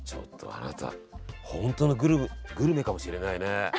本当のグルメかもしれないね。